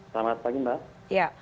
selamat pagi mbak